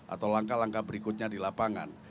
atau langkah langkah berikutnya di lapangan